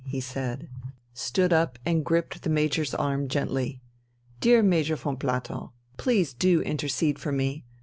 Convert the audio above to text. he said, stood up and gripped the Major's arm gently. "Dear Major von Platow, please do intercede for me!